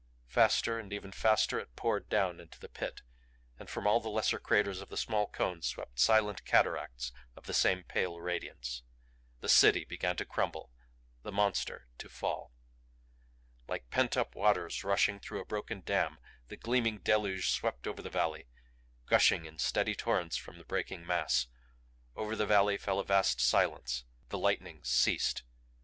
Faster and ever faster it poured down into the Pit. And from all the lesser craters of the smaller cones swept silent cataracts of the same pale radiance. The City began to crumble the Monster to fall. Like pent up waters rushing through a broken dam the gleaming deluge swept over the valley; gushing in steady torrents from the breaking mass. Over the valley fell a vast silence. The lightnings ceased.